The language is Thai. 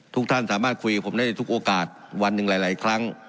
ท่านสามารถคุยกับผมได้ทุกโอกาสวันหนึ่งหลายครั้ง